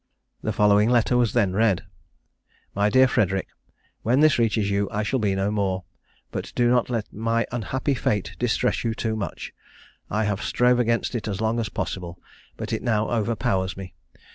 The following letter was then read: "My dear Frederic, When this reaches you I shall be no more; but do not let my unhappy fate distress you too much: I have strove against it as long as possible, but it now overpowers me.